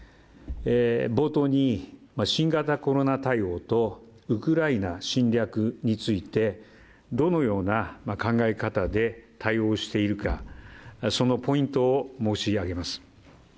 冒頭に新型コロナ対応とウクライナ侵略についてどのような考え方で対応しているか、そのポイントを申し上げます。